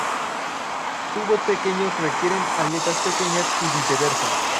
Tubos pequeños requieren aletas pequeñas y viceversa.